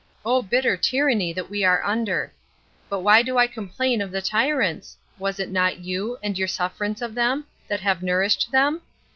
O bitter tyranny that we are under! But why do I complain of the tyrants? Was it not you, and your sufferance of them, that have nourished them?